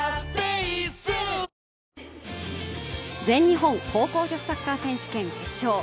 全日本高校女子サッカー選手権決勝。